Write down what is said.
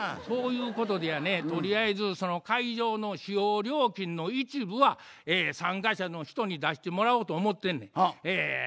そういうことでやねとりあえずその会場の使用料金の一部は参加者の人に出してもらおうと思ってんねや。